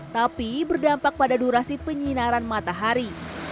tapi berdampak pada durasi penyinaran matahari